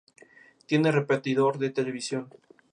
Tiene un repetidor de televisión.